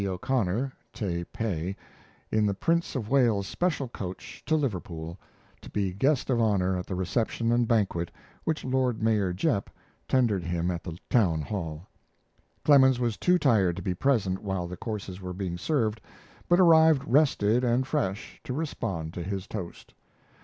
O'Connor (Tay Pay) in the Prince of Wales's special coach to Liverpool, to be guest of honor at the reception and banquet which Lord Mayor Japp tendered him at the Town Hall. Clemens was too tired to be present while the courses were being served, but arrived rested and fresh to respond to his toast.